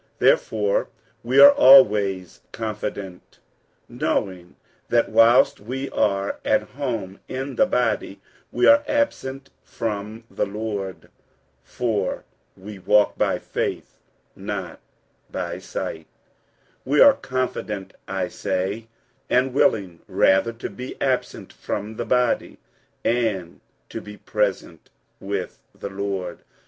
47:005:006 Therefore we are always confident, knowing that, whilst we are at home in the body, we are absent from the Lord: 47:005:007 (For we walk by faith, not by sight:) 47:005:008 We are confident, I say, and willing rather to be absent from the body, and to be present with the Lord.